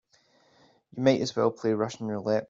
You might as well play Russian roulette.